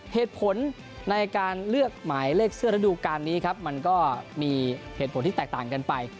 เหตุผลในการเลือกหมายเลขเสื้อระดูการนี้ครับมันก็มีเหตุผลที่แตกต่างกันไป